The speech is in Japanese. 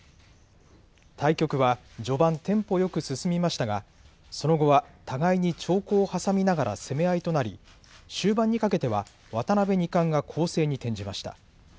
対局は序盤テンポよく進みましたがその後は互いに長考を挟みながら攻め合いとなり終盤にかけては渡辺二冠が攻勢に転じました。